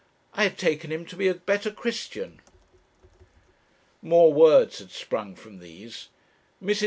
I had taken him to be a better Christian.' More words had sprung from these. Mrs.